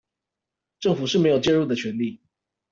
政府是沒有介入的權利